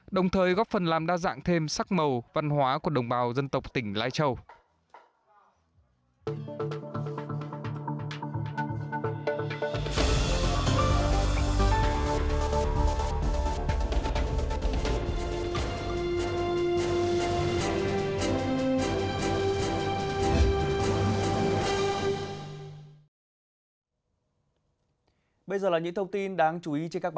đồng thời góp phần làm đa dạng thêm sắc màu văn hóa của đồng bào dân tộc tỉnh lai châu